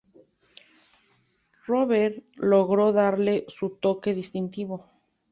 Rover logró darle su toque distintivo.